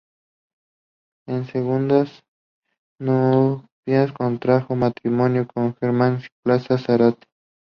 En segundas nupcias contrajo matrimonio con Georgina Plaza Zárate.